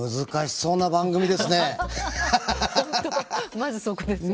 まずそこですよね。